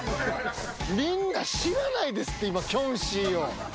みんな知らないですって今キョンシーを。